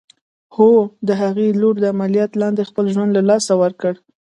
هو! د هغې لور د عمليات لاندې خپل ژوند له لاسه ورکړ.